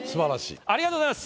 ありがとうございます。